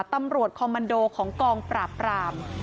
ตำรวจคอมมันโดของกองปราบราม